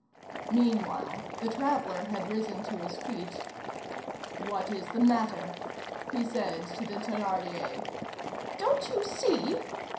Meanwhile, the traveller had risen to his feet. "What is the matter?" he said to the Thénardier. "Don't you see?"